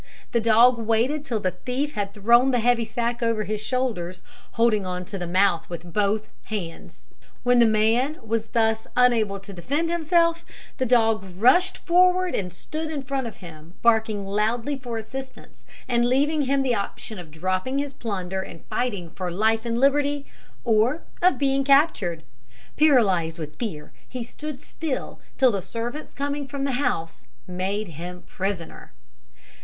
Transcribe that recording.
The dog waited till the thief had thrown the heavy sack over his shoulders, holding on to the mouth with both hands. When the man was thus unable to defend himself, the dog rushed forward and stood in front of him, barking loudly for assistance, and leaving him the option of dropping his plunder and fighting for life and liberty, or of being captured. Paralysed with fear, he stood still, till the servants coming from the house made him prisoner.